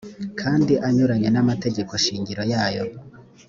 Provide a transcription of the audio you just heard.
kandi anyuranye n amategeko shingiro yayo